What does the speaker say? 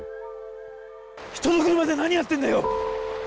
人の車で何やってんだよ！